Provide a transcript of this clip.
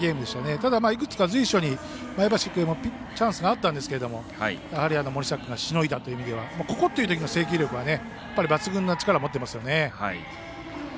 ただいくつか前橋育英もチャンスがあったんですけどもやはり森下君がしのいだという意味ではここというときの制球力は抜群の力を持ってますよね。